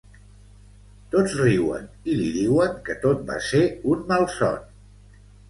Tots riuen i li diuen que tot va ser un malson.